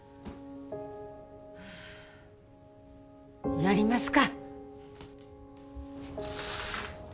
やりますか。